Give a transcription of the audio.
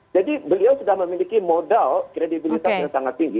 jadi beliau sudah memiliki modal kredibilitasnya sangat tinggi